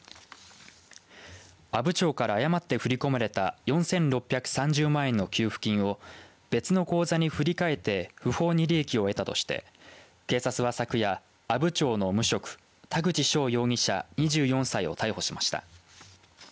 阿武町から誤って振り込まれた４６３０万円の給付金を別の口座に振り替えて不法に利益を得たとして警察は昨夜阿武町の無職田口翔容疑者２４歳を逮捕しました。